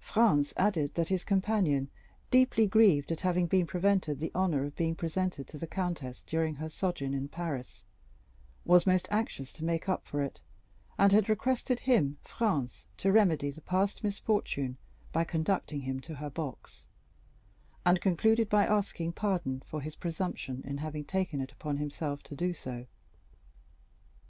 Franz added that his companion, deeply grieved at having been prevented the honor of being presented to the countess during her sojourn in Paris, was most anxious to make up for it, and had requested him (Franz) to remedy the past misfortune by conducting him to her box, and concluded by asking pardon for his presumption in having taken it upon himself to do so.